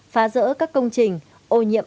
phá rỡ các công trình ô nhiễm